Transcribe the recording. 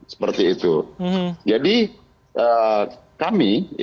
seperti itu jadi